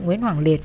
nguyễn hoàng liệt